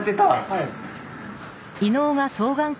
はい。